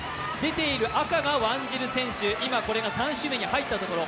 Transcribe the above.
出ている赤がワンジル選手、今、３周目に入ったところ。